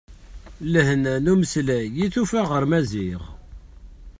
Lehna n umeslay i tufa ɣer Maziɣ.